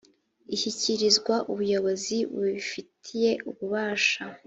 ishyikirizwa ubuyobozi bubifitiye ububasha